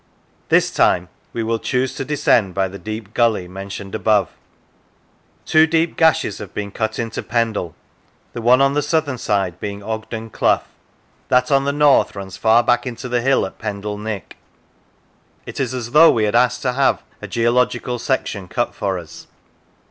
This time we will choose to descend by the deep gully mentioned above. Two deep gashes have been cut into Pendle, the one on the southern side being Ogden Clough; that on the north runs far back into the hill at Pendle Nick. It is as though we had asked to have a geological section cut for us.